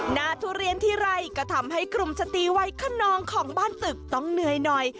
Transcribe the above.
ทุเรียนทีไรก็ทำให้กลุ่มสตรีวัยคนนองของบ้านตึกต้องเหนื่อยหน่อย